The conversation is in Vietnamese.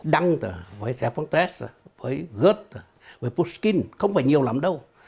đăng với sép phong tết với gớt với puskin không phải nhiều lắm đâu